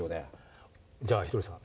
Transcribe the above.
じゃあひとりさん